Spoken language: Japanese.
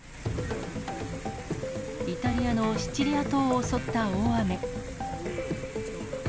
イタリアのシチリア島を襲った大雨。